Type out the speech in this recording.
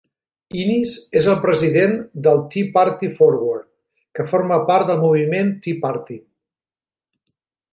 Innis és el president del Tea Party Forward, que forma part del moviment Tea Party.